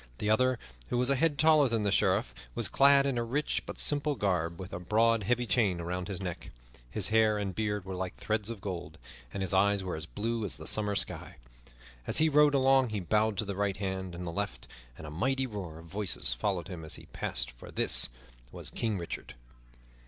The other, who was a head taller than the Sheriff, was clad in a rich but simple garb, with a broad, heavy chain about his neck. His hair and beard were like threads of gold, and his eyes were as blue as the summer sky. As he rode along he bowed to the right hand and the left, and a mighty roar of voices followed him as he passed; for this was King Richard.